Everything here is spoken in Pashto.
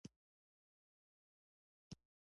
غوښتنې خدای ومني.